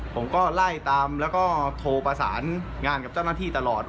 ผมก็ไล่ตามแล้วก็โทรประสานงานกับเจ้าหน้าที่ตลอด